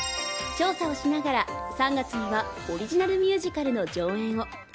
調査をしながら３月にはオリジナルミュージカルの上演を。